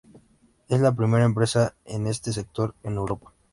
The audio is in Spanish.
Es la primera empresa en este sector en Europa.